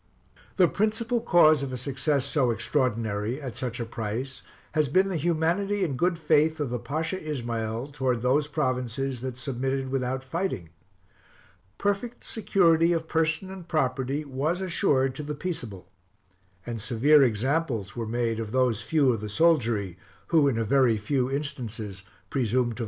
The principal cause of a success so extraordinary, at such a price, has been the humanity and good faith of the Pasha Ismael towards those provinces that submitted without fighting. Perfect security of person and property was assured to the peaceable, and severe examples were made of those few of the soldiery, who, in a very few instances, presumed to violate it.